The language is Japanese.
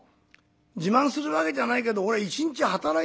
「自慢するわけじゃないけど俺一日働いてきたんだよ。